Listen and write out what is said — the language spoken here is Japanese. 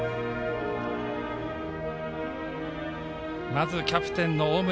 まずキャプテンの大村。